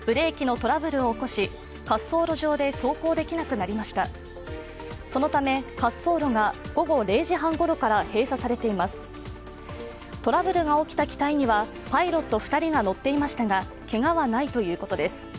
トラブルが起きた機体にはパイロット２人が乗っていましたがけがはないということです。